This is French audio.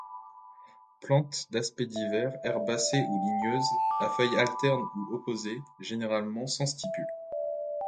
Plantes d'aspect divers, herbacées ou ligneuses, à feuilles alternes ou opposées, généralement sans stipules.